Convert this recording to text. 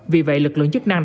vì vậy lực lượng chức năng